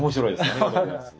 ありがとうございます。